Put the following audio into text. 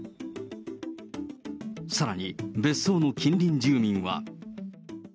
さらに、別荘の近隣住民は。